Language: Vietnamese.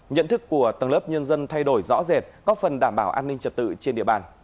nhận thức của tầng lớp nhân dân thay đổi rõ rệt góp phần đảm bảo an ninh trật tự trên địa bàn